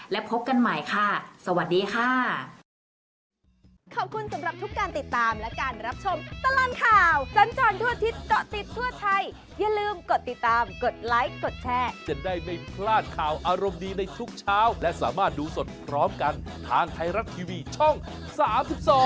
และพบกันใหม่ค่ะสวัสดีค่ะ